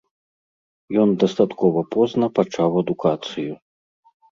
Ён дастаткова позна пачаў адукацыю.